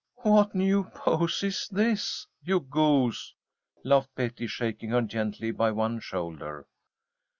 "What new pose is this, you goose?" laughed Betty, shaking her gently by one shoulder.